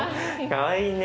かわいいね。